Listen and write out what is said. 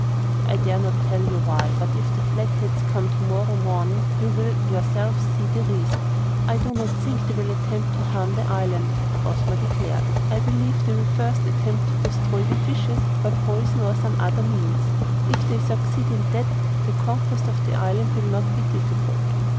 "I dare not tell you why, but if the Flatheads come to morrow morning you will yourselves see the reason." "I do not think they will attempt to harm the island," Ozma declared. "I believe they will first attempt to destroy the fishes, by poison or some other means. If they succeed in that, the conquest of the island will not be difficult."